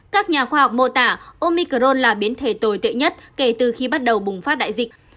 các nhà khoa học mô tả omicron là biến thể tồi tệ nhất kể từ khi bắt đầu bùng phát đại dịch